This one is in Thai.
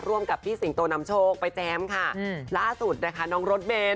กับพี่สิงโตนำโชคไปแจมค่ะล่าสุดนะคะน้องรถเบน